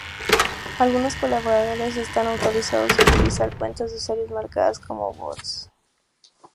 Algunos colaboradores están autorizados a utilizar cuentas de usuarios marcadas como bots.